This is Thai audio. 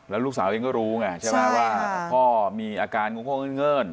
แล้วลูกสาวเองก็รู้ไงใช่ไหมว่าพ่อมีอาการโง่เงื่อน